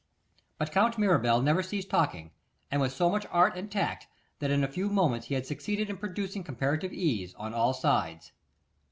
But Count Mirabel never ceased talking, and with so much art and tact, that in a few moments he had succeeded in producing comparative ease on all sides.